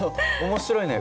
面白いね。